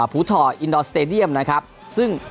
ผูถ่ออินดรสตาเดียมนะครับซึ่ง